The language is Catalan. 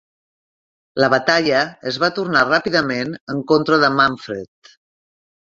La batalla es va tornar ràpidament en contra de Manfred.